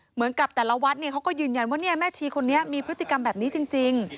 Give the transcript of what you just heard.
เหมือนกับแต่ละวัดเขาก็ยืนยันว่าแม่ชีคนนี้มีพฤติกรรมแบบนี้จริง